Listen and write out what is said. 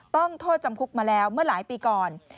โทษจำคุกมาแล้วเมื่อหลายปีก่อน